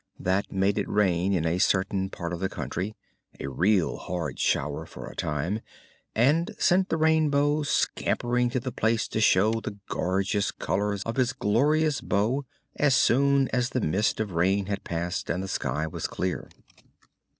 That made it rain in a certain part of the country a real hard shower, for a time and sent the Rainbow scampering to the place to show the gorgeous colors of his glorious bow as soon as the mist of rain had passed and the sky was clear.